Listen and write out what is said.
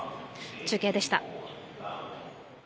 中継でした。